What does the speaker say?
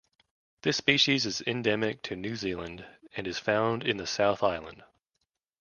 This species is endemic to New Zealand and is found in the South Island.